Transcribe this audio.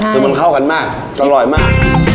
คือมันเข้ากันมากอร่อยมาก